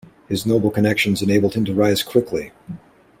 His noble connections enabled him to rise quickly.